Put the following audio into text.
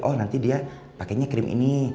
oh nanti dia pakainya krim ini